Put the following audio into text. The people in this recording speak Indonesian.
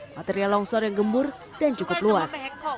material longsor yang gembur dan cukup luas